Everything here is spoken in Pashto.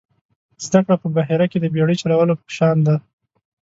زده کړه په بحیره کې د بېړۍ چلولو په شان ده.